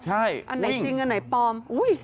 ใช่อันไหนจริงอันไหนปลอม